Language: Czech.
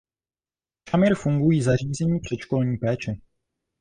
V Šamir fungují zařízení předškolní péče.